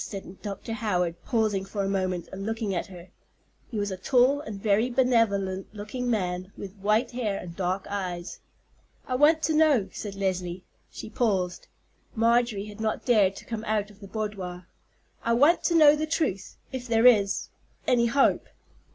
said Dr. Howard, pausing for a moment and looking at her. He was a tall and very benevolent looking man, with white hair and dark eyes. "I want to know," said Leslie—she paused. Marjorie had not dared to come out of the boudoir. "I want to know the truth—if there is—any hope?"